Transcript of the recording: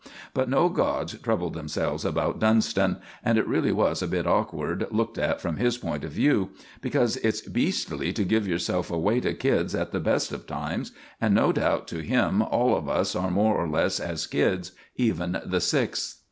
But no gods troubled themselves about Dunston; and it really was a bit awful looked at from his point of view; because it's beastly to give yourself away to kids at the best of times; and no doubt to him all of us are more or less as kids, even the Sixth.